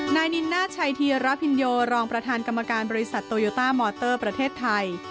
นายนินนาชัยธีระพินโยรองประธานกรรมการบริษัทโตโยต้ามอเตอร์ประเทศไทย